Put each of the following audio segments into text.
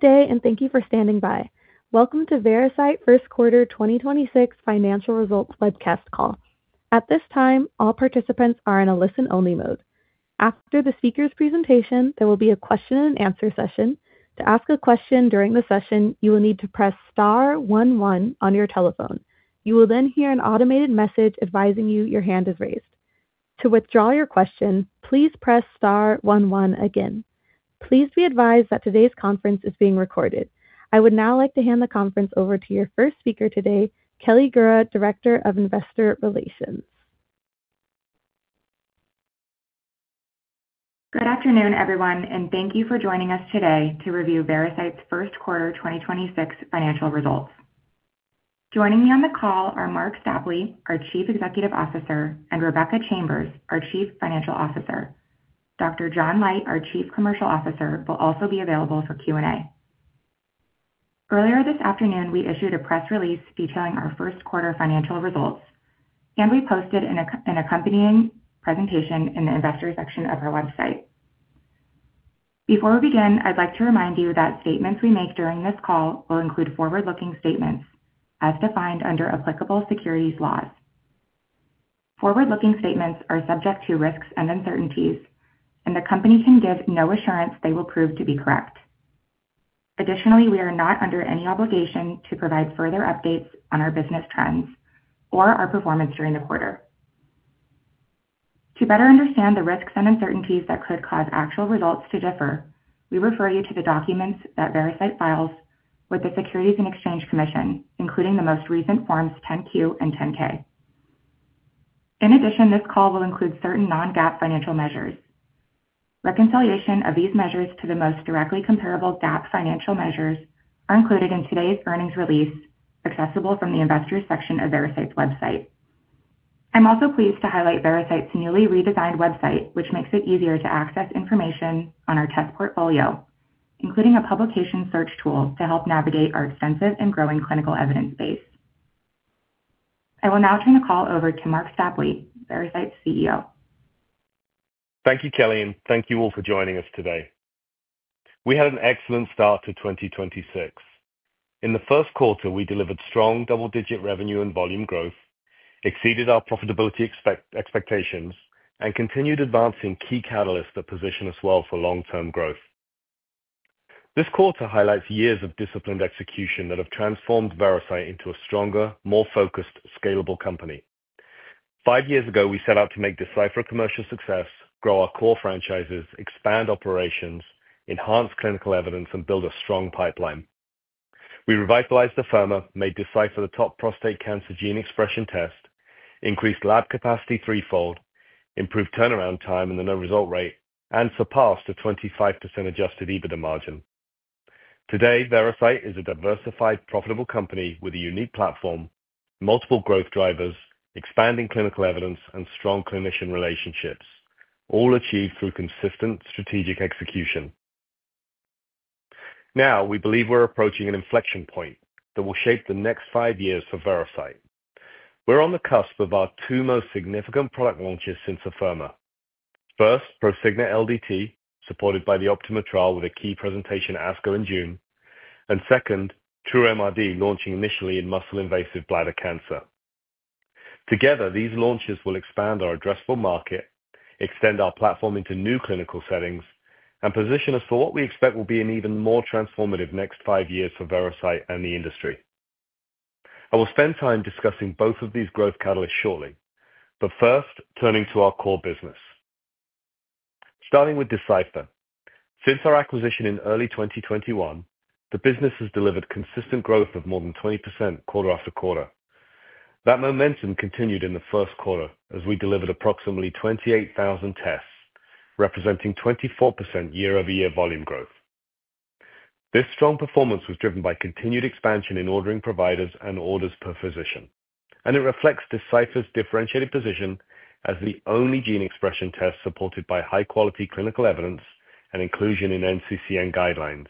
Good day, and thank you for standing by. Welcome to Veracyte first quarter 2026 financial results webcast call. At this time, all participants are in a listen-only mode. After the speakers' presentation, there will be a question and answer session. To ask a question during the session, you will need to press star one one on your telephone. You will hear an automated message advising you your hand is raised. To withdraw your question, please press star one one again. Please be advised that today's conference is being recorded. I would now like to hand the conference over to your first speaker today, Kelly Gura, Director of Investor Relations. Good afternoon, everyone. Thank you for joining us today to review Veracyte's first quarter 2026 financial results. Joining me on the call are Marc Stapley, our Chief Executive Officer, and Rebecca Chambers, our Chief Financial Officer. Dr. John Leite, our Chief Commercial Officer, will also be available for Q&A. Earlier this afternoon, we issued a press release detailing our first quarter financial results. We posted an accompanying presentation in the Investor section of our website. Before we begin, I'd like to remind you that statements we make during this call will include forward-looking statements as defined under applicable securities laws. Forward-looking statements are subject to risks and uncertainties. The company can give no assurance they will prove to be correct. Additionally, we are not under any obligation to provide further updates on our business trends or our performance during the quarter. To better understand the risks and uncertainties that could cause actual results to differ, we refer you to the documents that Veracyte files with the Securities and Exchange Commission, including the most recent Form 10-Q and Form 10-K. In addition, this call will include certain non-GAAP financial measures. Reconciliation of these measures to the most directly comparable GAAP financial measures are included in today's earnings release, accessible from the Investors section of Veracyte's website. I am also pleased to highlight Veracyte's newly redesigned website, which makes it easier to access information on our test portfolio, including a publication search tool to help navigate our extensive and growing clinical evidence base. I will now turn the call over to Marc Stapley, Veracyte's CEO. Thank you, Kelly, and thank you all for joining us today. We had an excellent start to 2026. In the first quarter, we delivered strong double-digit revenue and volume growth, exceeded our profitability expectations, and continued advancing key catalysts that position us well for long-term growth. This quarter highlights years of disciplined execution that have transformed Veracyte into a stronger, more focused, scalable company. Five years ago, we set out to make Decipher a commercial success, grow our core franchises, expand operations, enhance clinical evidence, and build a strong pipeline. We revitalized Afirma, made Decipher the top prostate cancer gene expression test, increased lab capacity threefold, improved turnaround time and the no-result rate, and surpassed a 25% adjusted EBITDA margin. Today, Veracyte is a diversified, profitable company with a unique platform, multiple growth drivers, expanding clinical evidence, and strong clinician relationships, all achieved through consistent strategic execution. We believe we're approaching an inflection point that will shape the next five years for Veracyte. We're on the cusp of our two most significant product launches since Afirma. First, Prosigna LDT, supported by the OPTIMA trial with a key presentation ASCO in June. Second, TrueMRD launching initially in muscle-invasive bladder cancer. Together, these launches will expand our addressable market, extend our platform into new clinical settings, and position us for what we expect will be an even more transformative next five years for Veracyte and the industry. I will spend time discussing both of these growth catalysts shortly. First, turning to our core business. Starting with Decipher. Since our acquisition in early 2021, the business has delivered consistent growth of more than 20% quarter after quarter. That momentum continued in the first quarter as we delivered approximately 28,000 tests, representing 24% year-over-year volume growth. This strong performance was driven by continued expansion in ordering providers and orders per physician, and it reflects Decipher's differentiated position as the only gene expression test supported by high-quality clinical evidence and inclusion in NCCN guidelines,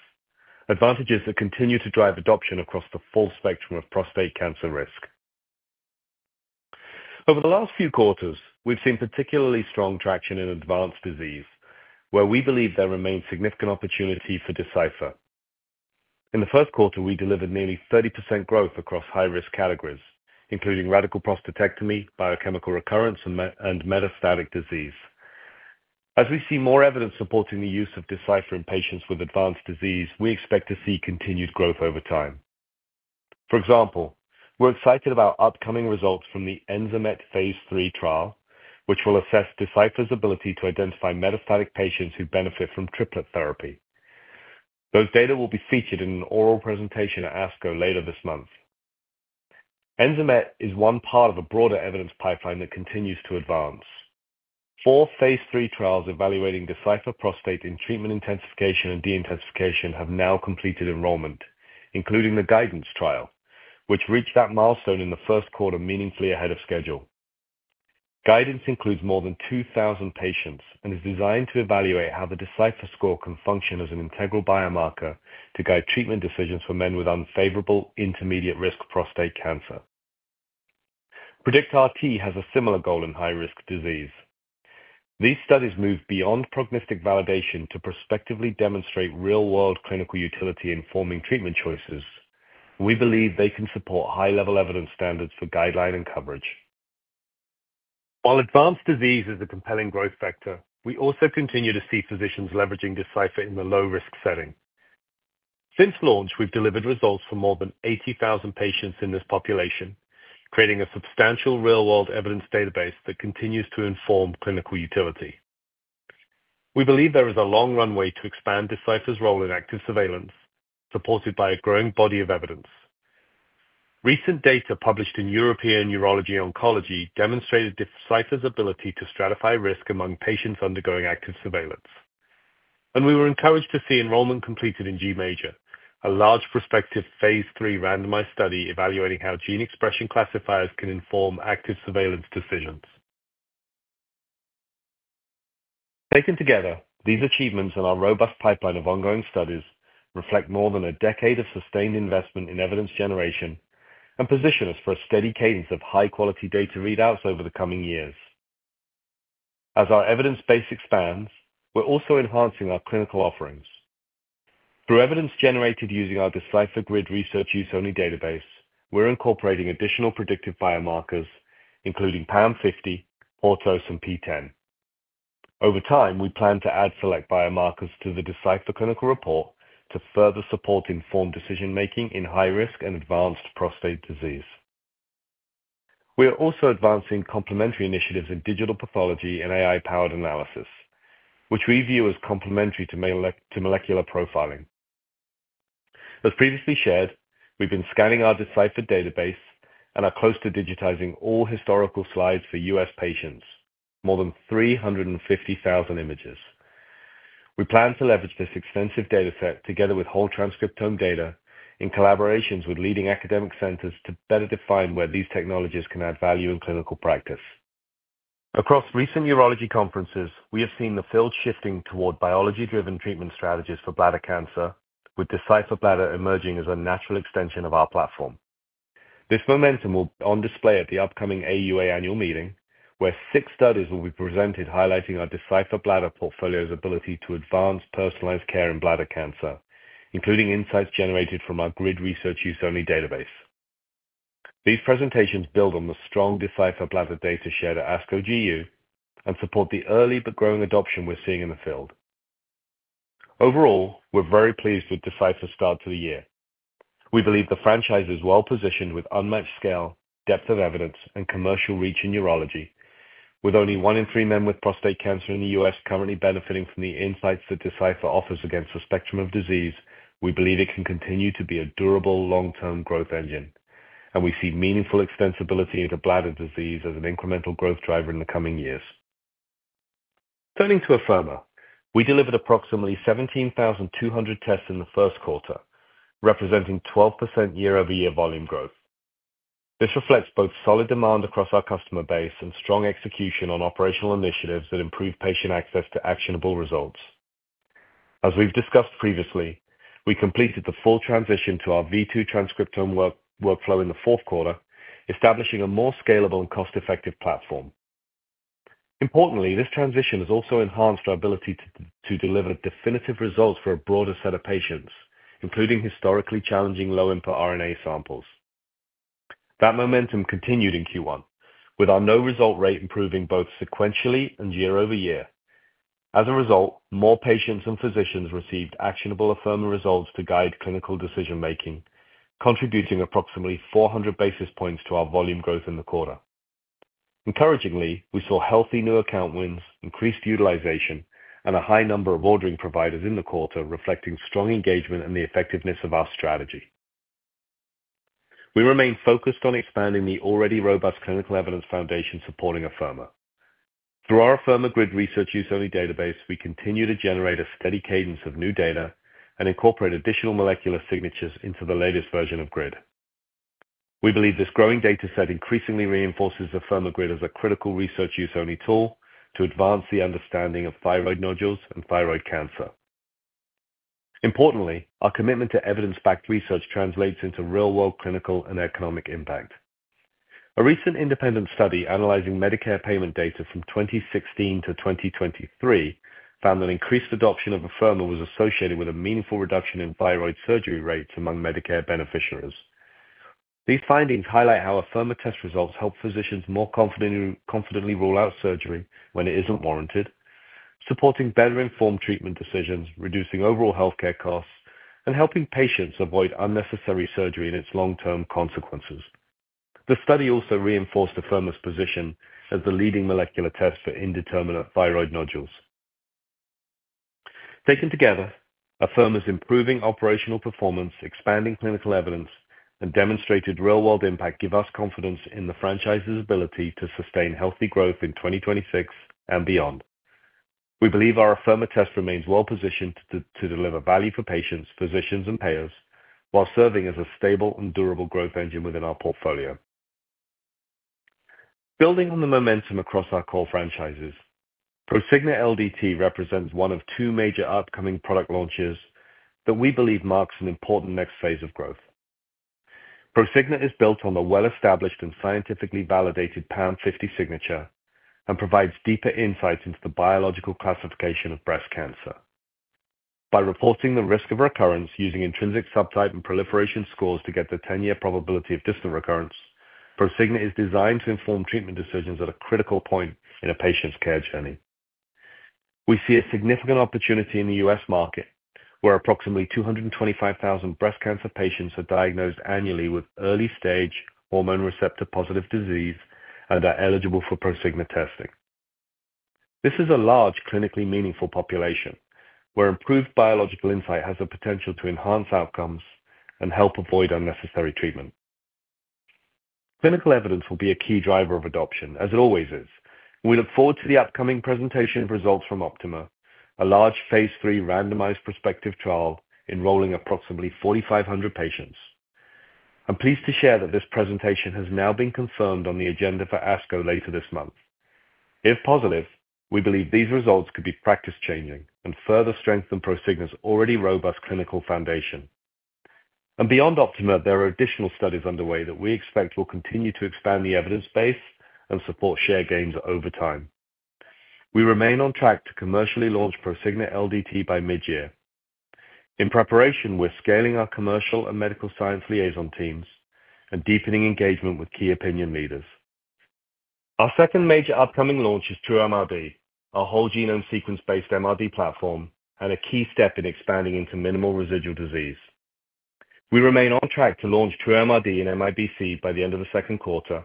advantages that continue to drive adoption across the full spectrum of prostate cancer risk. Over the last few quarters, we've seen particularly strong traction in advanced disease, where we believe there remains significant opportunity for Decipher. In the first quarter, we delivered nearly 30% growth across high-risk categories, including radical prostatectomy, biochemical recurrence, and metastatic disease. As we see more evidence supporting the use of Decipher in patients with advanced disease, we expect to see continued growth over time. For example, we're excited about upcoming results from the ENZAMET phase III trial, which will assess Decipher's ability to identify metastatic patients who benefit from triplet therapy. Those data will be featured in an oral presentation at ASCO later this month. ENZAMET is one part of a broader evidence pipeline that continues to advance. Four phase III trials evaluating Decipher Prostate in treatment intensification and de-intensification have now completed enrollment, including the GUIDANCE trial, which reached that milestone in the first quarter meaningfully ahead of schedule. GUIDANCE includes more than 2,000 patients and is designed to evaluate how the Decipher score can function as an integral biomarker to guide treatment decisions for men with unfavorable intermediate-risk prostate cancer. PREDICT-RT has a similar goal in high-risk disease. These studies move beyond prognostic validation to prospectively demonstrate real-world clinical utility in forming treatment choices. We believe they can support high-level evidence standards for guideline and coverage. While advanced disease is a compelling growth factor, we also continue to see physicians leveraging Decipher in the low-risk setting. Since launch, we've delivered results for more than 80,000 patients in this population, creating a substantial real-world evidence database that continues to inform clinical utility. We believe there is a long runway to expand Decipher's role in active surveillance, supported by a growing body of evidence. Recent data published in European Urology Oncology demonstrated Decipher's ability to stratify risk among patients undergoing active surveillance, and we were encouraged to see enrollment completed in G-MAJOR, a large prospective phase III randomized study evaluating how gene expression classifiers can inform active surveillance decisions. Taken together, these achievements in our robust pipeline of ongoing studies reflect more than a decade of sustained investment in evidence generation and position us for a steady cadence of high-quality data readouts over the coming years. As our evidence base expands, we're also enhancing our clinical offerings. Through evidence generated using our Decipher GRID research use-only database, we're incorporating additional predictive biomarkers including PAM50, PORTOS, and PTEN. Over time, we plan to add select biomarkers to the Decipher clinical report to further support informed decision-making in high risk and advanced prostate disease. We are also advancing complementary initiatives in digital pathology and AI-powered analysis, which we view as complementary to molecular profiling. As previously shared, we've been scanning our Decipher database and are close to digitizing all historical slides for U.S. patients, more than 350,000 images. We plan to leverage this extensive data set together with whole transcriptome data in collaborations with leading academic centers to better define where these technologies can add value in clinical practice. Across recent urology conferences, we have seen the field shifting toward biology-driven treatment strategies for bladder cancer, with Decipher Bladder emerging as a natural extension of our platform. This momentum will be on display at the upcoming AUA annual meeting, where six studies will be presented highlighting our Decipher Bladder portfolio's ability to advance personalized care in bladder cancer, including insights generated from our GRID research use only database. These presentations build on the strong Decipher Bladder data shared at ASCO GU and support the early but growing adoption we're seeing in the field. Overall, we're very pleased with Decipher's start to the year. We believe the franchise is well-positioned with unmatched scale, depth of evidence, and commercial reach in urology. With only one in three men with prostate cancer in the U.S. currently benefiting from the insights that Decipher offers against a spectrum of disease, we believe it can continue to be a durable long-term growth engine, and we see meaningful extensibility into bladder disease as an incremental growth driver in the coming years. Turning to Afirma, we delivered approximately 17,200 tests in the first quarter, representing 12% year-over-year volume growth. This reflects both solid demand across our customer base and strong execution on operational initiatives that improve patient access to actionable results. As we've discussed previously, we completed the full transition to our V2 transcriptome workflow in the fourth quarter, establishing a more scalable and cost-effective platform. Importantly, this transition has also enhanced our ability to deliver definitive results for a broader set of patients, including historically challenging low input RNA samples. That momentum continued in Q1, with our no result rate improving both sequentially and year-over-year. As a result, more patients and physicians received actionable Afirma results to guide clinical decision-making, contributing approximately 400 basis points to our volume growth in the quarter. Encouragingly, we saw healthy new account wins, increased utilization, and a high number of ordering providers in the quarter, reflecting strong engagement and the effectiveness of our strategy. We remain focused on expanding the already robust clinical evidence foundation supporting Afirma. Through our Afirma GRID research use only database, we continue to generate a steady cadence of new data and incorporate additional molecular signatures into the latest version of GRID. We believe this growing data set increasingly reinforces Afirma GRID as a critical research use only tool to advance the understanding of thyroid nodules and thyroid cancer. Importantly, our commitment to evidence-backed research translates into real-world clinical and economic impact. A recent independent study analyzing Medicare payment data from 2016 to 2023 found that increased adoption of Afirma was associated with a meaningful reduction in thyroid surgery rates among Medicare beneficiaries. These findings highlight how Afirma test results help physicians more confidently rule out surgery when it isn't warranted, supporting better-informed treatment decisions, reducing overall healthcare costs, and helping patients avoid unnecessary surgery and its long-term consequences. The study also reinforced Afirma's position as the leading molecular test for indeterminate thyroid nodules. Taken together, Afirma's improving operational performance, expanding clinical evidence, and demonstrated real-world impact give us confidence in the franchise's ability to sustain healthy growth in 2026 and beyond. We believe our Afirma test remains well-positioned to deliver value for patients, physicians, and payers while serving as a stable and durable growth engine within our portfolio. Building on the momentum across our core franchises, Prosigna LDT represents one of two major upcoming product launches that we believe marks an important next phase of growth. Prosigna is built on the well-established and scientifically validated PAM50 signature and provides deeper insights into the biological classification of breast cancer. By reporting the risk of recurrence using intrinsic subtype and proliferation scores to get the 10-year probability of distant recurrence, Prosigna is designed to inform treatment decisions at a critical point in a patient's care journey. We see a significant opportunity in the U.S. market, where approximately 225,000 breast cancer patients are diagnosed annually with early-stage hormone receptor-positive disease and are eligible for Prosigna testing. This is a large clinically meaningful population where improved biological insight has the potential to enhance outcomes and help avoid unnecessary treatment. Clinical evidence will be a key driver of adoption, as it always is. We look forward to the upcoming presentation of results from OPTIMA, a large phase III randomized prospective trial enrolling approximately 4,500 patients. I'm pleased to share that this presentation has now been confirmed on the agenda for ASCO later this month. If positive, we believe these results could be practice-changing and further strengthen Prosigna's already robust clinical foundation. Beyond OPTIMA, there are additional studies underway that we expect will continue to expand the evidence base and support share gains over time. We remain on track to commercially launch Prosigna LDT by mid-year. In preparation, we're scaling our commercial and medical science liaison teams and deepening engagement with key opinion leaders. Our two major upcoming launch is TrueMRD, our whole genome sequence-based MRD platform and a key step in expanding into minimal residual disease. We remain on track to launch TrueMRD in MIBC by the end of the second quarter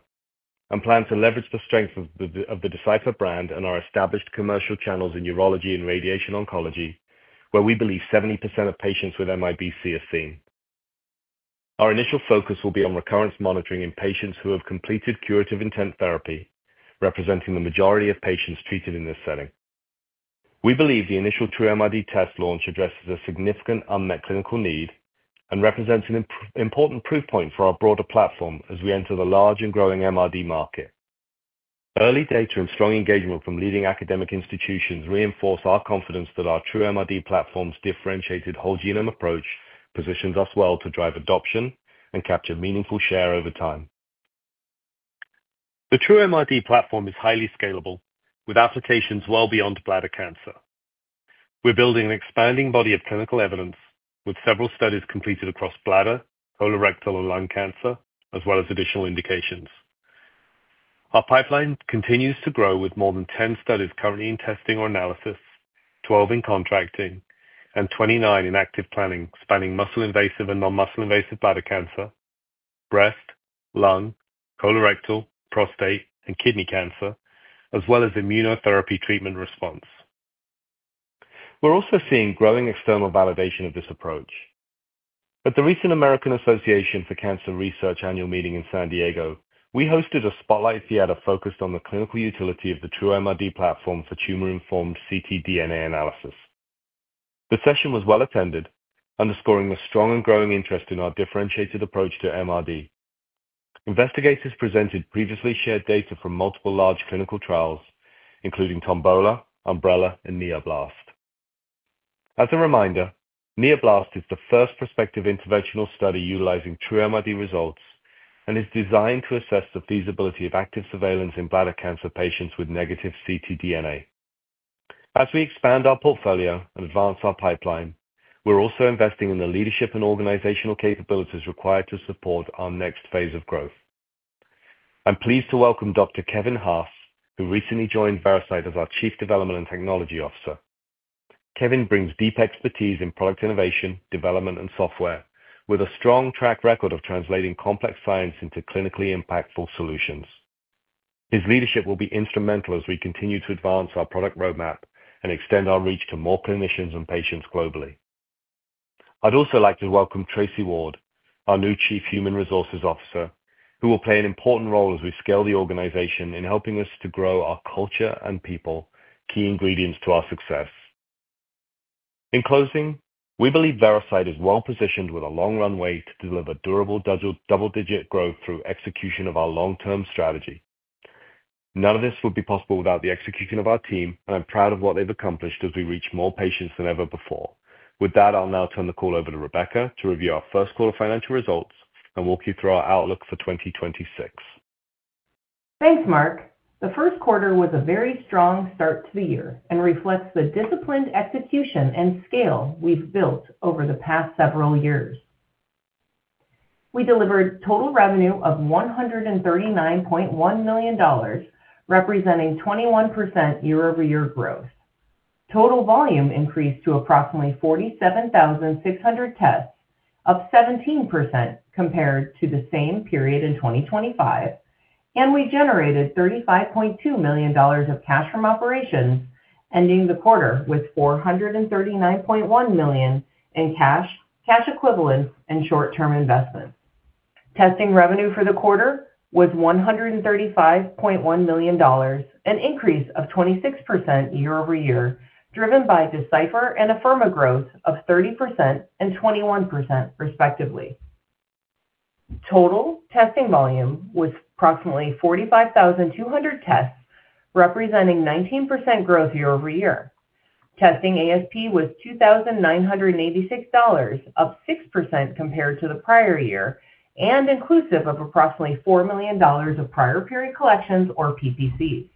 and plan to leverage the strength of the Decipher brand and our established commercial channels in urology and radiation oncology, where we believe 70% of patients with MIBC are seen. Our initial focus will be on recurrence monitoring in patients who have completed curative intent therapy, representing the majority of patients treated in this setting. We believe the initial TrueMRD test launch addresses a significant unmet clinical need and represents an important proof point for our broader platform as we enter the large and growing MRD market. Early data and strong engagement from leading academic institutions reinforce our confidence that our TrueMRD platform's differentiated whole genome approach positions us well to drive adoption and capture meaningful share over time. The TrueMRD platform is highly scalable, with applications well beyond bladder cancer. We're building an expanding body of clinical evidence, with several studies completed across bladder, colorectal, and lung cancer, as well as additional indications. Our pipeline continues to grow, with more than 10 studies currently in testing or analysis, 12 in contracting, and 29 in active planning, spanning muscle-invasive and non-muscle invasive bladder cancer, breast, lung, colorectal, prostate, and kidney cancer, as well as immunotherapy treatment response. We're also seeing growing external validation of this approach. At the recent American Association for Cancer Research annual meeting in San Diego, we hosted a spotlight theater focused on the clinical utility of the TrueMRD platform for tumor-informed ctDNA analysis. The session was well-attended, underscoring the strong and growing interest in our differentiated approach to MRD. Investigators presented previously shared data from multiple large clinical trials, including TOMBOLA, UMBRELLA, and NEO-BLAST. As a reminder, NEO-BLAST is the first prospective interventional study utilizing TrueMRD results and is designed to assess the feasibility of active surveillance in bladder cancer patients with negative ctDNA. As we expand our portfolio and advance our pipeline, we're also investing in the leadership and organizational capabilities required to support our next phase of growth. I'm pleased to welcome Dr. Kevin Haas, who recently joined Veracyte as our Chief Development and Technology Officer. Kevin brings deep expertise in product innovation, development, and software, with a strong track record of translating complex science into clinically impactful solutions. His leadership will be instrumental as we continue to advance our product roadmap and extend our reach to more clinicians and patients globally. I'd also like to welcome Tracy Ward, our new Chief Human Resources Officer, who will play an important role as we scale the organization in helping us to grow our culture and people, key ingredients to our success. In closing, we believe Veracyte is well-positioned with a long runway to deliver durable double-digit growth through execution of our long-term strategy. None of this would be possible without the execution of our team, and I'm proud of what they've accomplished as we reach more patients than ever before. With that, I'll now turn the call over to Rebecca to review our first quarter financial results and walk you through our outlook for 2026. Thanks, Marc. The first quarter was a very strong start to the year and reflects the disciplined execution and scale we've built over the past several years. We delivered total revenue of $139.1 million, representing 21% year-over-year growth. Total volume increased to approximately 47,600 tests, up 17% compared to the same period in 2025. We generated $35.2 million of cash from operations, ending the quarter with $439.1 million in cash equivalents, and short-term investments. Testing revenue for the quarter was $135.1 million, an increase of 26% year-over-year, driven by Decipher and Afirma growth of 30% and 21% respectively. Total testing volume was approximately 45,200 tests, representing 19% growth year-over-year. Testing ASP was $2,986, up 6% compared to the prior year, and inclusive of approximately $4 million of prior period collections, or PPCs.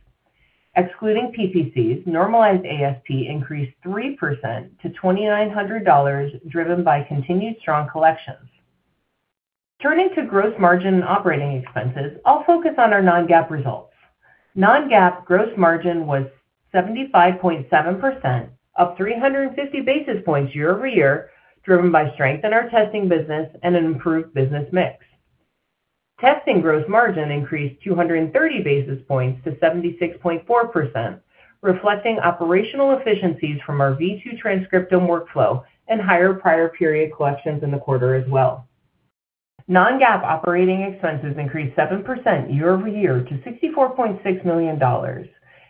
Excluding PPCs, normalized ASP increased 3% to $2,900, driven by continued strong collections. Turning to gross margin and operating expenses, I'll focus on our non-GAAP results. Non-GAAP gross margin was 75.7%, up 350 basis points year-over-year, driven by strength in our testing business and an improved business mix. Testing gross margin increased 230 basis points to 76.4%, reflecting operational efficiencies from our V2 transcriptome workflow and higher prior period collections in the quarter as well. Non-GAAP operating expenses increased 7% year-over-year to $64.6 million.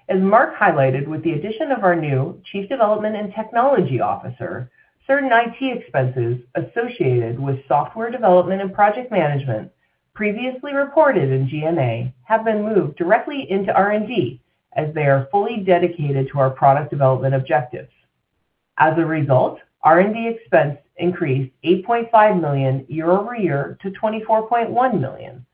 As Marc highlighted, with the addition of our new Chief Development and Technology Officer, certain IT expenses associated with software development and project management previously reported in G&A have been moved directly into R&D, as they are fully dedicated to our product development objectives. As a result, R&D expense increased $8.5 million year-over-year to $24.1 million,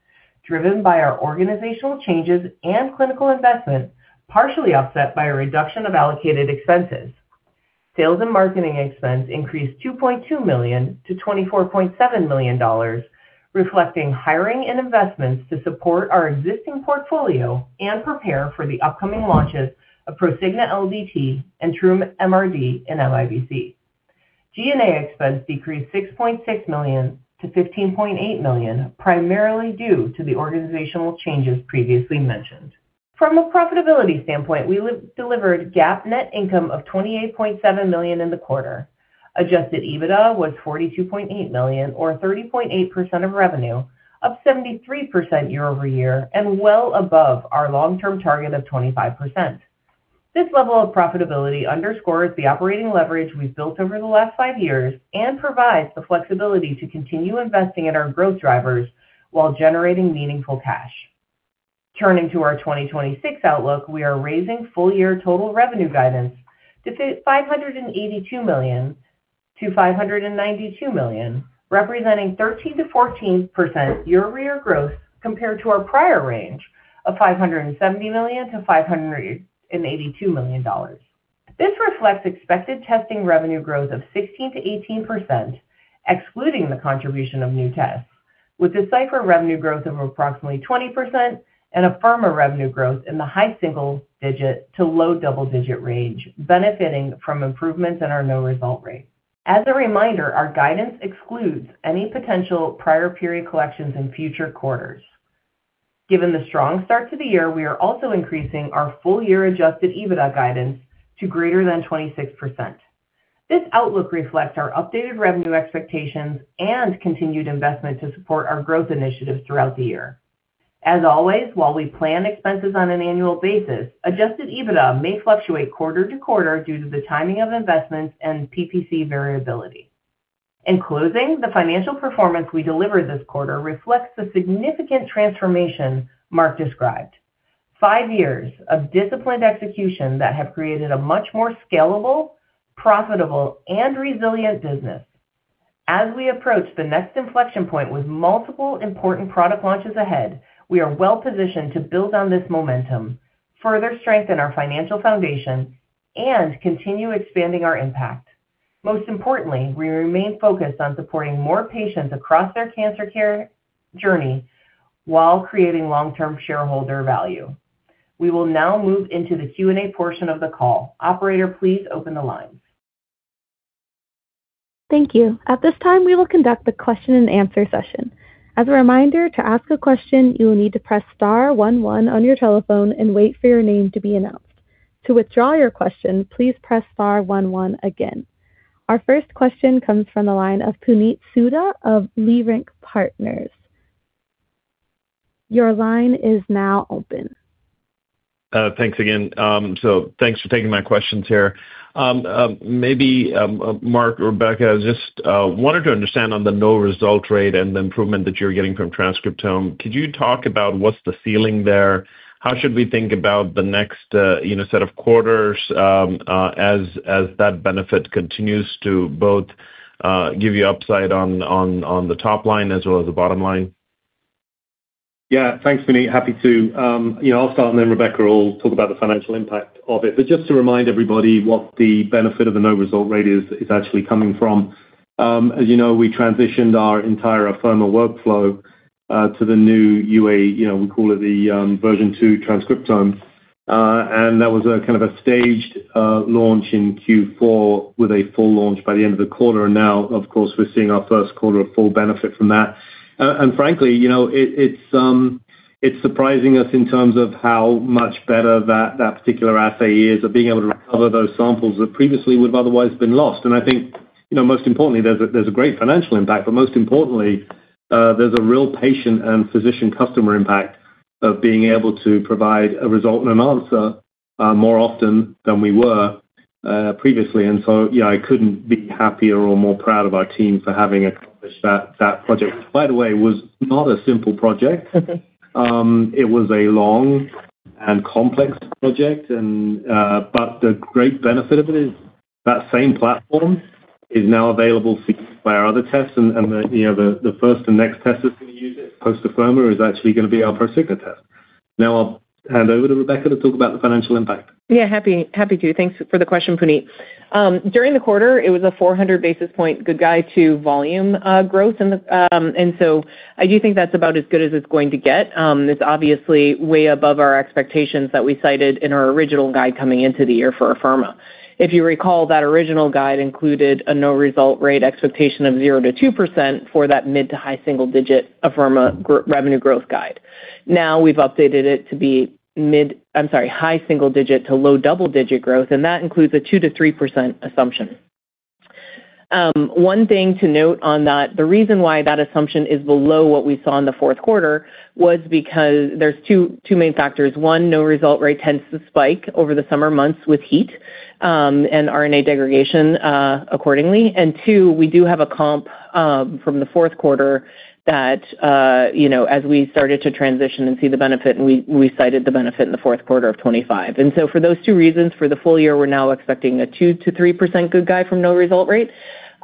driven by our organizational changes and clinical investment, partially offset by a reduction of allocated expenses. Sales and marketing expense increased $2.2 million to $24.7 million, reflecting hiring and investments to support our existing portfolio and prepare for the upcoming launches of Prosigna LDT and TrueMRD and MIBC. G&A expense decreased $6.6 million to $15.8 million, primarily due to the organizational changes previously mentioned. From a profitability standpoint, we delivered GAAP net income of $28.7 million in the quarter. Adjusted EBITDA was $42.8 million, or 30.8% of revenue, up 73% year-over-year and well above our long-term target of 25%. This level of profitability underscores the operating leverage we've built over the last five years and provides the flexibility to continue investing in our growth drivers while generating meaningful cash. Turning to our 2026 outlook, we are raising full-year total revenue guidance to $582 million-$592 million, representing 13%-14% year-over-year growth compared to our prior range of $570 million-$582 million. This reflects expected testing revenue growth of 16%-18%, excluding the contribution of new tests, with Decipher revenue growth of approximately 20% and Afirma revenue growth in the high single-digit to low double-digit range, benefiting from improvements in our no result rate. As a reminder, our guidance excludes any potential prior period collections in future quarters. Given the strong start to the year, we are also increasing our full-year adjusted EBITDA guidance to greater than 26%. This outlook reflects our updated revenue expectations and continued investment to support our growth initiatives throughout the year. As always, while we plan expenses on an annual basis, adjusted EBITDA may fluctuate quarter-to-quarter due to the timing of investments and PPC variability. In closing, the financial performance we delivered this quarter reflects the significant transformation Marc described. Five years of disciplined execution that have created a much more scalable, profitable, and resilient business. As we approach the next inflection point with multiple important product launches ahead, we are well-positioned to build on this momentum, further strengthen our financial foundation, and continue expanding our impact. Most importantly, we remain focused on supporting more patients across their cancer care journey while creating long-term shareholder value. We will now move into the Q&A portion of the call. Operator, please open the lines. Thank you. At this time, we will conduct a question and answer session. As a reminder, to ask a question, you will need to press star one one on your telephone and wait for your name to be announced. To withdraw your question, please press star one one again. Our first question comes from the line of Puneet Souda of Leerink Partners. Your line is now open. Thanks again. Thanks for taking my questions here. Maybe Marc or Rebecca, wanted to understand on the no result rate and the improvement that you're getting from transcriptome, could you talk about what's the feeling there? How should we think about the next set of quarters as that benefit continues to both give you upside on the top line as well as the bottom line? Thanks, Puneet. Happy to. You know, I'll start, and then Rebecca will talk about the financial impact of it. Just to remind everybody what the benefit of the no result rate is actually coming from. As you know, we transitioned our entire Afirma workflow to the new V2 transcriptome. That was a kind of a staged launch in Q4 with a full launch by the end of the quarter. Now, of course, we're seeing our first quarter of full benefit from that. Frankly, you know, it's surprising us in terms of how much better that particular assay is of being able to recover those samples that previously would have otherwise been lost. I think, most importantly, there's a great financial impact, but most importantly, there's a real patient and physician customer impact of being able to provide a result and an answer more often than we were previously. Yeah, I couldn't be happier or more proud of our team for having accomplished that project. By the way, it was not a simple project. It was a long and complex project. The great benefit of it is that same platform is now available to our other tests and the first and next test that's gonna use it post-Afirma is actually gonna be our Prosigna test. I'll hand over to Rebecca to talk about the financial impact. Yeah, happy to. Thanks for the question, Puneet. During the quarter, it was a 400 basis points good guide to volume growth. I do think that's about as good as it's going to get. It's obviously way above our expectations that we cited in our original guide coming into the year for Afirma. If you recall, that original guide included a no result rate expectation of 0%-2% for that mid-to-high single-digit Afirma revenue growth guide. We've updated it to be high single-digit to low double-digit growth, and that includes a 2%-3% assumption. One thing to note on that, the reason why that assumption is below what we saw in the 4th quarter was because there's two main factors. One, no result rate tends to spike over the summer months with heat, and RNA degradation accordingly. Two, we do have a comp from the fourth quarter that, as we started to transition and see the benefit and we cited the benefit in the fourth quarter of 2025. For those two reasons, for the full-year, we're now expecting a 2%-3% good guide from no result rate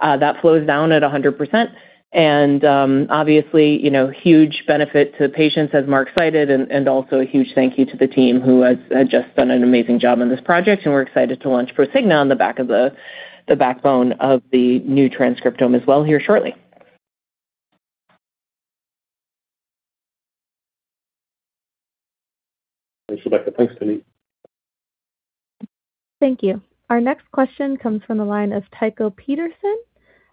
that flows down at 100%. Obviously, huge benefit to patients as Marc cited, and also a huge thank you to the team who has just done an amazing job on this project, and we're excited to launch Prosigna on the back of the backbone of the new transcriptome as well here shortly. Thanks, Rebecca. Thanks, Puneet. Thank you. Our next question comes from the line of Tycho Peterson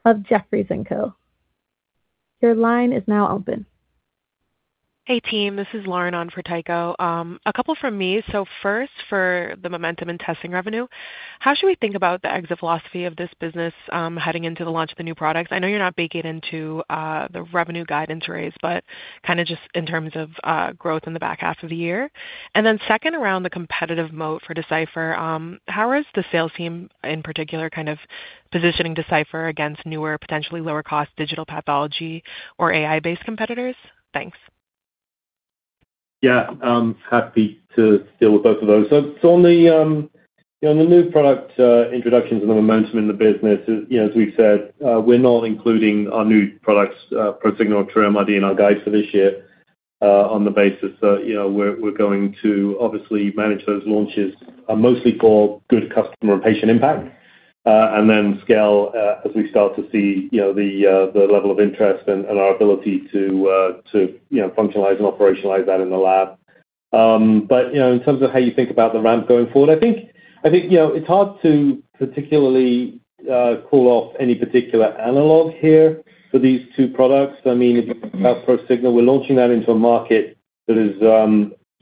of Jefferies & Co. Your line is now open. Hey, team. This is Lauren on for Tycho. A couple from me. First for the momentum in testing revenue, how should we think about the exit philosophy of this business, heading into the launch of the new products? I know you're not baking into the revenue guidance raise, but kinda just in terms of growth in the back half of the year. Second around the competitive moat for Decipher, how is the sales team in particular kind of positioning Decipher against newer, potentially lower cost digital pathology or AI-based competitors? Thanks. Yeah. happy to deal with both of those. On the, you know, on the new product introductions and the momentum in the business, you know, as we've said, we're not including our new products, Prosigna or TrueMRD in our guides for this year, on the basis that, you know, we're going to obviously manage those launches, mostly for good customer and patient impact, scale, as we start to see, you know, the level of interest and our ability to, you know, functionalize and operationalize that in the lab. You know, in terms of how you think about the ramp going forward, I think, you know, it's hard to particularly call off any particular analog here for these two products. I mean, if you think about Prosigna, we're launching that into a market that is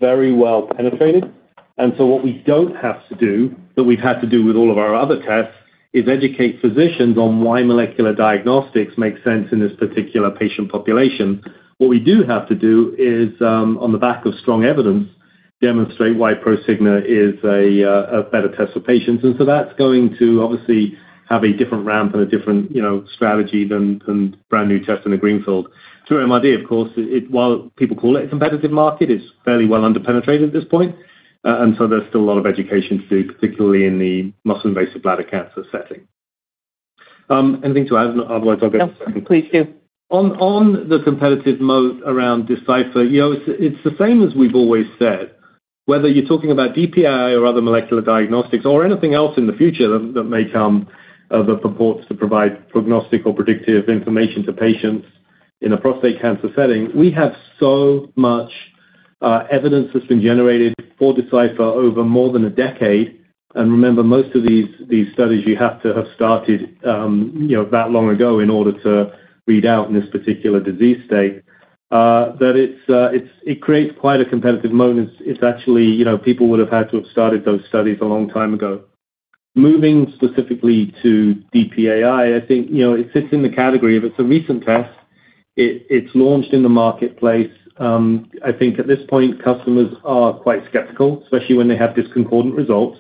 very well penetrated. What we don't have to do, that we've had to do with all of our other tests, is educate physicians on why molecular diagnostics make sense in this particular patient population. What we do have to do is on the back of strong evidence, demonstrate why Prosigna is a better test for patients. That's going to obviously have a different ramp and a different, you know, strategy than brand new tests in the greenfield. TrueMRD, of course, while people call it a competitive market, it's fairly well under-penetrated at this point. There's still a lot of education to do, particularly in the muscle-invasive bladder cancer setting. Anything to add? Otherwise, I'll go to John. No, please do. On the competitive moat around Decipher, you know, it's the same as we've always said, whether you're talking about DPAI or other molecular diagnostics or anything else in the future that may come, that purports to provide prognostic or predictive information to patients in a prostate cancer setting. We have so much evidence that's been generated for Decipher over more than a decade. Remember, most of these studies you have to have started, you know, that long ago in order to read out in this particular disease state, that it creates quite a competitive moat. It's actually, you know, people would have had to have started those studies a long time ago. Moving specifically to DPAI, I think, you know, it sits in the category of it's a recent test. It's launched in the marketplace. I think at this point, customers are quite skeptical, especially when they have discordant results,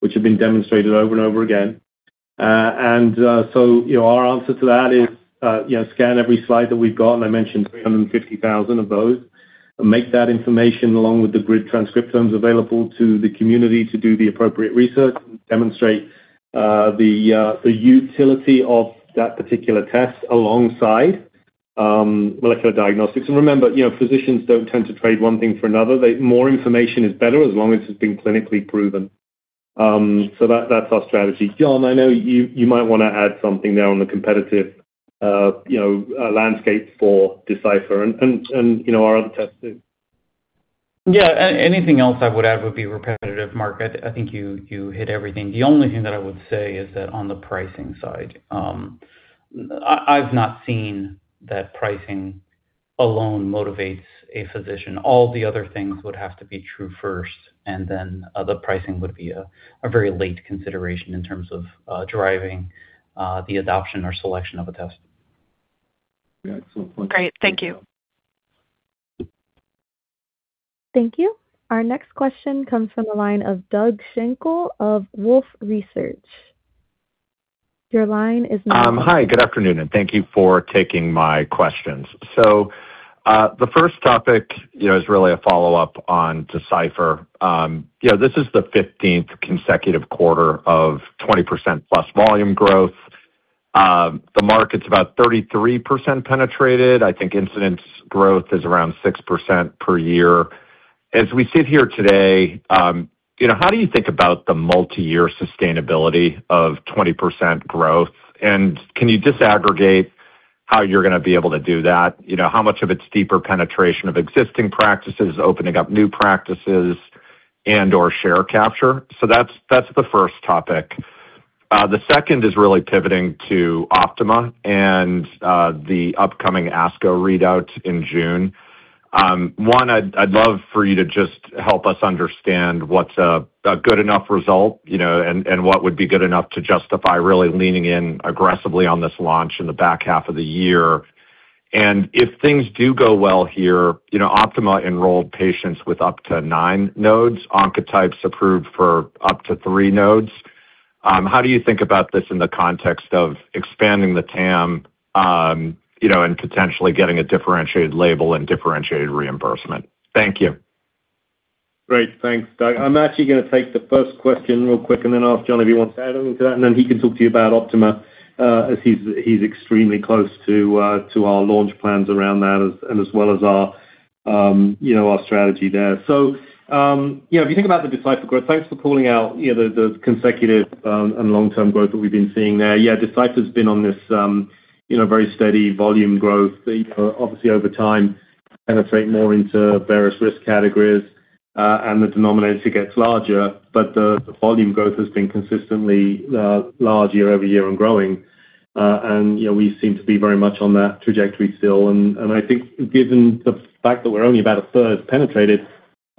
which have been demonstrated over and over again. Our answer to that is, you know, scan every slide that we've got, and I mentioned 350,000 of those, and make that information along with the GRID transcriptomes available to the community to do the appropriate research and demonstrate the utility of that particular test alongside molecular diagnostics. Remember, you know, physicians don't tend to trade one thing for another. More information is better as long as it's been clinically proven. That's our strategy. John, I know you might want to add something there on the competitive, you know, landscape for Decipher and, you know, our other tests too. Yeah. Anything else I would add would be repetitive, Marc. I think you hit everything. The only thing that I would say is that on the pricing side, I've not seen that pricing alone motivates a physician. Then the pricing would be a very late consideration in terms of driving the adoption or selection of a test. Great. Thank you. Thank you. Our next question comes from the line of Doug Schenkel of Wolfe Research. Your line is now open. Hi, good afternoon, thank you for taking my questions. The first topic, you know, is really a follow-up on Decipher. You know, this is the 15th consecutive quarter of 20%+ volume growth. The market's about 33% penetrated. I think incidence growth is around 6% per year. As we sit here today, you know, how do you think about the multi-year sustainability of 20% growth? Can you disaggregate how you're gonna be able to do that? You know, how much of it's deeper penetration of existing practices, opening up new practices and/or share capture? That's, that's the first topic. The second is really pivoting to OPTIMA and the upcoming ASCO readout in June. One, I'd love for you to just help us understand what's a good enough result, you know, and what would be good enough to justify really leaning in aggressively on this launch in the back half of the year. If things do go well here, you know, OPTIMA enrolled patients with up to nine nodes. Oncotype DX's approved for up to three nodes. How do you think about this in the context of expanding the TAM, you know, and potentially getting a differentiated label and differentiated reimbursement? Thank you. Great. Thanks, Doug. I'm actually gonna take the first question real quick and then ask John if he wants to add anything to that, then he can talk to you about OPTIMA as he's extremely close to our launch plans around that as well as our, you know, our strategy there. If you think about the Decipher growth, thanks for calling out, you know, the consecutive and long-term growth that we've been seeing there. Yeah, Decipher's been on this, you know, very steady volume growth. You know, obviously over time penetrate more into various risk categories, and the denominator gets larger, but the volume growth has been consistently large year-over-year and growing. You know, we seem to be very much on that trajectory still. I think given the fact that we're only about 1/3 penetrated,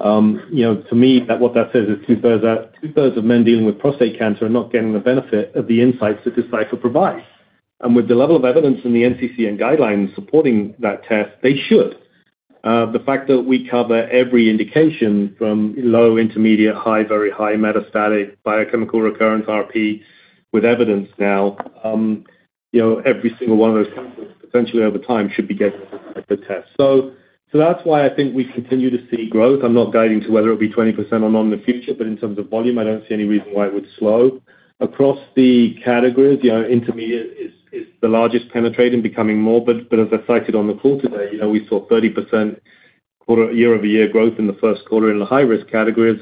you know, to me that what that says is 2/3 of men dealing with prostate cancer are not getting the benefit of the insights that Decipher provides. With the level of evidence in the NCCN guidelines supporting that test, they should. The fact that we cover every indication from low, intermediate, high, very high metastatic biochemical recurrence RP with evidence now, you know, every single 1 of those patients potentially over time should be getting the Decipher test. That's why I think we continue to see growth. I'm not guiding to whether it be 20% or more in the future, but in terms of volume, I don't see any reason why it would slow. Across the categories, you know, intermediate is the largest penetrating, becoming more. As I cited on the call today, you know, we saw 30% quarter year-over-year growth in the first quarter in the high-risk categories.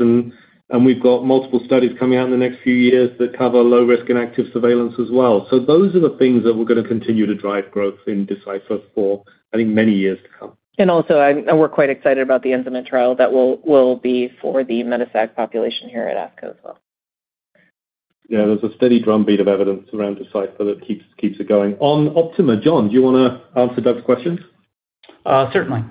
We've got multiple studies coming out in the next few years that cover low risk and active surveillance as well. Those are the things that we're gonna continue to drive growth in Decipher for, I think, many years to come. We're quite excited about the ENZAMET trial that will be for the metastatic population here at ASCO as well. Yeah. There's a steady drumbeat of evidence around Decipher that keeps it going. On OPTIMA, John, do you wanna answer Doug's questions? Certainly.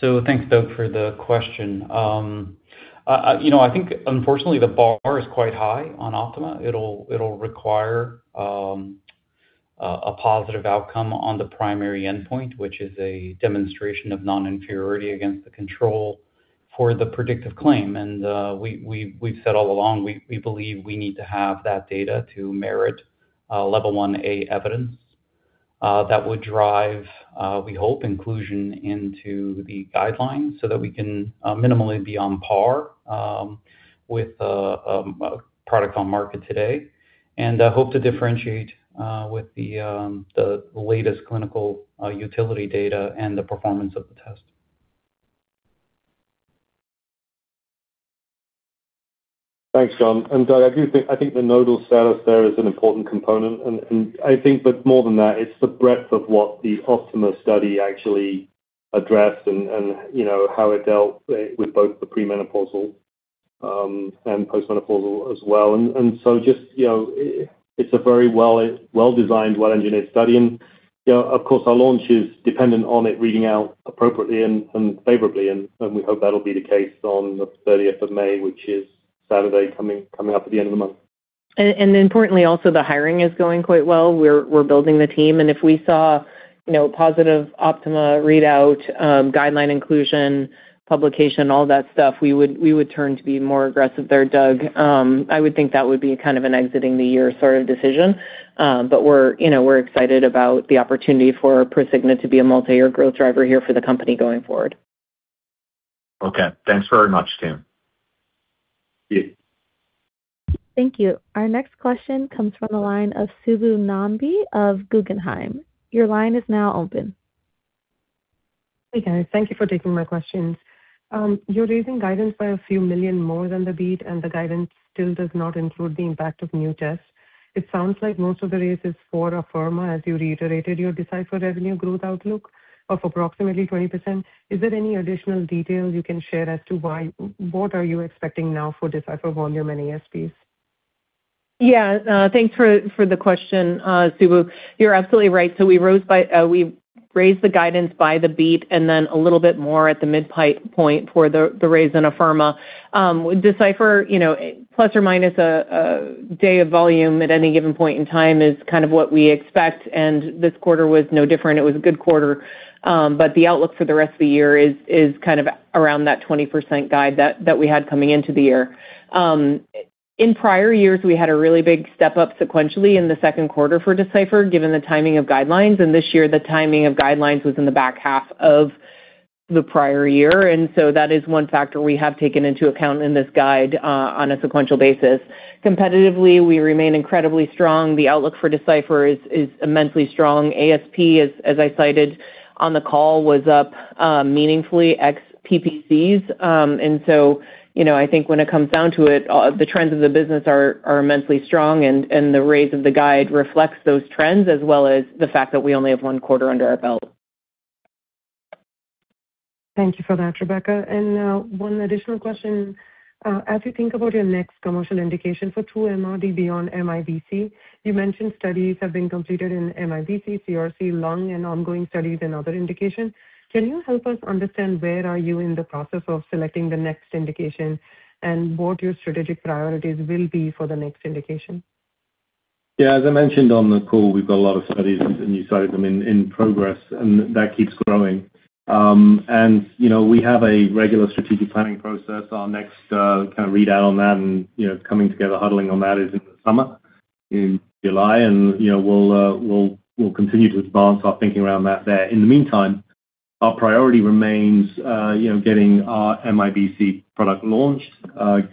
Thanks, Doug, for the question. You know, I think unfortunately the bar is quite high on OPTIMA. It'll require a positive outcome on the primary endpoint, which is a demonstration of non-inferiority against the control for the predictive claim. We've said all along, we believe we need to have that data to merit Level 1A evidence that would drive, we hope, inclusion into the guidelines so that we can minimally be on par with a product on market today. Hope to differentiate with the latest clinical utility data and the performance of the test. Thanks, John. Doug, I think the nodal status there is an important component. I think but more than that, it's the breadth of what the OPTIMA study actually addressed, you know, how it dealt with both the premenopausal and postmenopausal as well. Just, you know, it's a very well, well-designed, well-engineered study. You know, of course, our launch is dependent on it reading out appropriately and favorably. We hope that'll be the case on the 30th of May, which is Saturday coming up at the end of the month. Importantly, also the hiring is going quite well. We're building the team, if we saw, you know, positive OPTIMA readout, guideline inclusion, publication, all that stuff, we would turn to be more aggressive there, Doug. I would think that would be kind of an exiting the year sort of decision. We're, you know, we're excited about the opportunity for Prosigna to be a multi-year growth driver here for the company going forward. Okay. Thanks very much, team. Yeah. Thank you. Our next question comes from the line of Subbu Nambi of Guggenheim. Your line is now open. Hey, guys. Thank you for taking my questions. You're raising guidance by a few million more than the beat. The guidance still does not include the impact of new tests. It sounds like most of the raise is for Afirma, as you reiterated your Decipher revenue growth outlook of approximately 20%. Is there any additional detail you can share as to what are you expecting now for Decipher volume and ASPs? Yeah. Thanks for the question, Subbu. You're absolutely right. We raised the guidance by the beat and then a little bit more at the midpoint for the raise in Afirma. Decipher, you know, plus or minus a day of volume at any given point in time is kind of what we expect, and this quarter was no different. It was a good quarter. The outlook for the rest of the year is kind of around that 20% guide that we had coming into the year. In prior years, we had a really big step up sequentially in the second quarter for Decipher, given the timing of guidelines. This year, the timing of guidelines was in the back half of the prior year. That is one factor we have taken into account in this guide on a sequential basis. Competitively, we remain incredibly strong. The outlook for Decipher is immensely strong. ASP, as I cited on the call, was up meaningfully ex PPCs. You know, I think when it comes down to it, the trends of the business are immensely strong and the raise of the guide reflects those trends, as well as the fact that we only have one quarter under our belt. Thank you for that, Rebecca. One additional question. As you think about your next commercial indication for TrueMRD beyond MIBC, you mentioned studies have been completed in MIBC, CRC, lung and ongoing studies in other indications. Can you help us understand where are you in the process of selecting the next indication and what your strategic priorities will be for the next indication? Yeah, as I mentioned on the call, we've got a lot of studies, and you cited them, in progress, that keeps growing. You know, we have a regular strategic planning process. Our next, kind of readout on that and, you know, coming together, huddling on that is in the summer, in July. You know, we'll continue to advance our thinking around that there. In the meantime, our priority remains, you know, getting our MIBC product launched,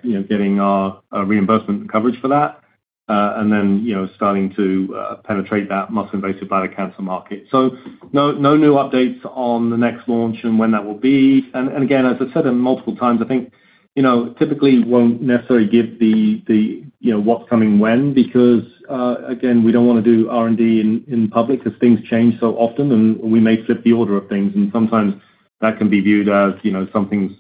getting our reimbursement coverage for that, and then, you know, starting to penetrate that muscle-invasive bladder cancer market. No new updates on the next launch and when that will be. Again, as I've said it multiple times, I think, you know, typically won't necessarily give the, you know, what's coming when because, again, we don't wanna do R&D in public as things change so often, and we may flip the order of things. Sometimes that can be viewed as, you know, something's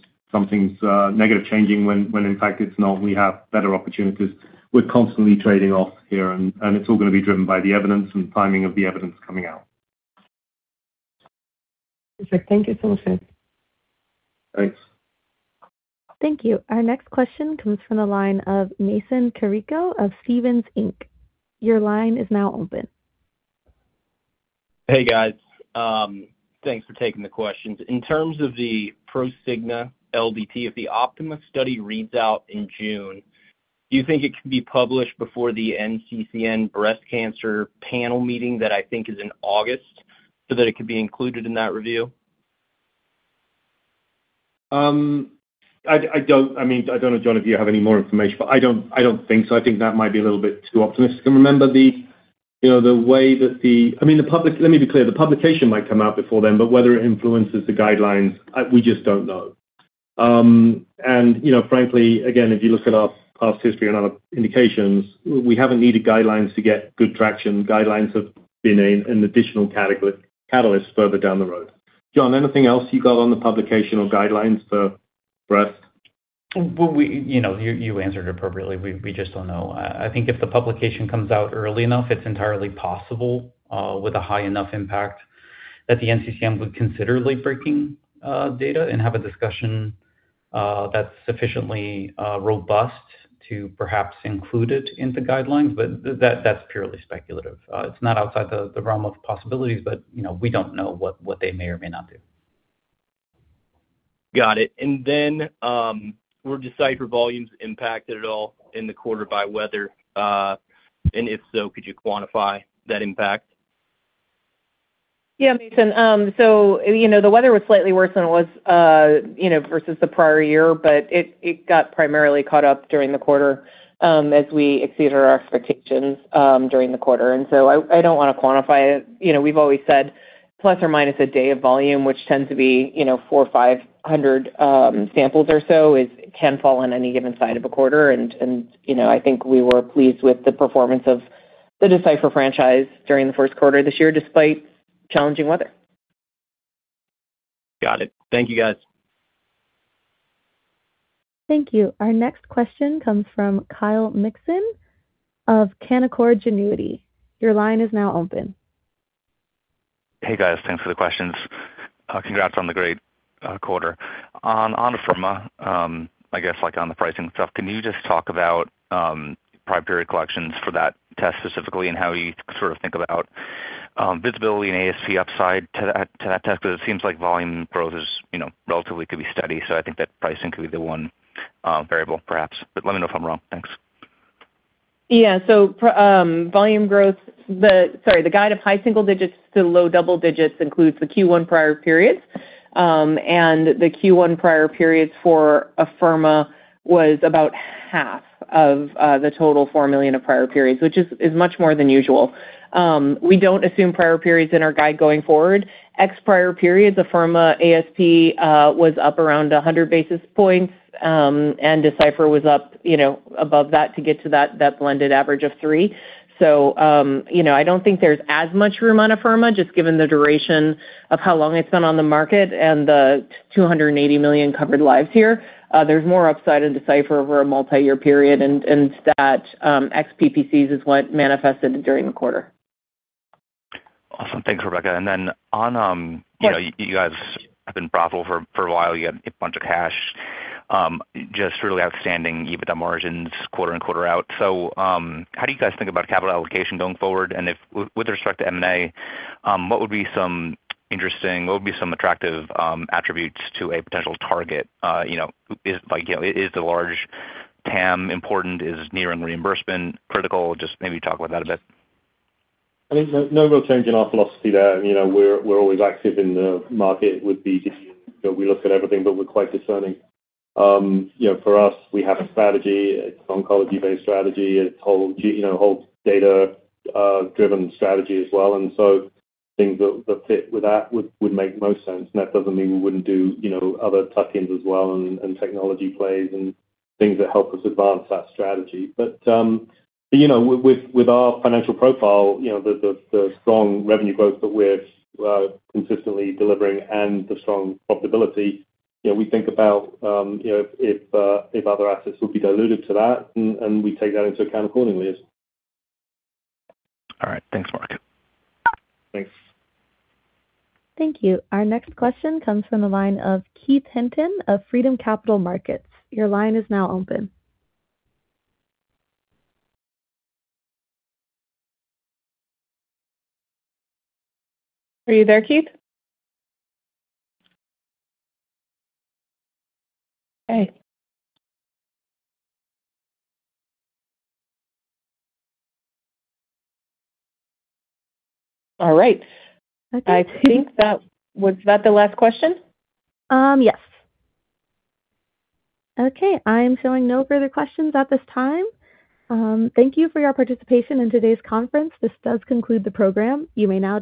negative changing when in fact it's not. We have better opportunities. We're constantly trading off here and it's all gonna be driven by the evidence and timing of the evidence coming out. Perfect. Thank you so much. Thanks. Thank you. Our next question comes from the line of Mason Carrico of Stephens Inc. Your line is now open. Hey, guys. Thanks for taking the questions. In terms of the Prosigna LDT, if the OPTIMA study reads out in June, do you think it could be published before the NCCN Breast Cancer Panel meeting that I think is in August so that it could be included in that review? I don't I mean, I don't know, John, if you have any more information, but I don't, I don't think so. I think that might be a little bit too optimistic. Remember the, you know, the way that the I mean, the public Let me be clear. The publication might come out before then, but whether it influences the guidelines, we just don't know. You know, frankly, again, if you look at our past history on other indications, we haven't needed guidelines to get good traction. Guidelines have been an additional catalyst further down the road. John, anything else you got on the publication or guidelines for breast? Well, you know, you answered it appropriately. We just don't know. I think if the publication comes out early enough, it's entirely possible, with a high enough impact that the NCCN would consider late-breaking data and have a discussion that's sufficiently robust to perhaps include it in the guidelines, but that's purely speculative. It's not outside the realm of possibilities, but, you know, we don't know what they may or may not do. Got it. Were Decipher volumes impacted at all in the quarter by weather? If so, could you quantify that impact? Yeah, Mason. You know, the weather was slightly worse than it was, you know, versus the prior year, but it got primarily caught up during the quarter, as we exceeded our expectations during the quarter. I don't wanna quantify it. You know, we've always said plus or minus a day of volume, which tends to be, you know, 4 500 samples or so can fall on any given side of a quarter. You know, I think we were pleased with the performance of the Decipher franchise during the first quarter this year, despite challenging weather. Got it. Thank you, guys. Thank you. Our next question comes from Kyle Mikson of Canaccord Genuity. Your line is now open. Hey, guys. Thanks for the questions. Congrats on the great quarter. On Afirma, I guess like on the pricing stuff, can you just talk about prior period collections for that test specifically and how you sort of think about visibility and ASC upside to that test? It seems like volume growth is, you know, relatively could be steady, so I think that pricing could be the one variable perhaps. Let me know if I'm wrong. Thanks. The guide of high single digits to low double digits includes the Q1 prior periods. The Q1 prior periods for Afirma was about half of the total $4 million of prior periods, which is much more than usual. We don't assume prior periods in our guide going forward. Ex-prior periods, Afirma ASP was up around 100 basis points, and Decipher was up, you know, above that to get to that blended average of three. I don't think there's as much room on Afirma just given the duration of how long it's been on the market and the 280 million covered lives here. There's more upside in Decipher over a multi-year period and that ex PPCs is what manifested during the quarter. Thanks, Rebecca. You know, you guys have been profitable for a while. You have a bunch of cash, just really outstanding EBITDA margins quarter and quarter out. How do you guys think about capital allocation going forward? If with respect to M&A, what would be some attractive attributes to a potential target? You know, is the large TAM important? Is near and reimbursement critical? Just maybe talk about that a bit. I think no real change in our philosophy there. You know, we're always active in the market with BD. You know, we look at everything, but we're quite discerning. You know, for us, we have a strategy. It's oncology-based strategy. It's whole, you know, whole data driven strategy as well. Things that fit with that would make most sense. That doesn't mean we wouldn't do, you know, other tie-ins as well and technology plays and things that help us advance that strategy. You know, with our financial profile, you know, the strong revenue growth that we're consistently delivering and the strong profitability, you know, we think about, you know, if other assets would be diluted to that and we take that into account accordingly. All right. Thanks, Marc. Thanks. Thank you. Our next question comes from the line of Keith Hinton of Freedom Capital Markets. Your line is now open. Are you there, Keith? Okay. All right. Okay. I think that was that the last question? Yes. Okay, I am showing no further questions at this time. Thank you for your participation in today's conference. This does conclude the program. You may now disconnect.